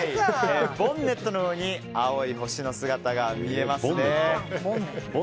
ボンネットの上に青い星の姿が見えますね。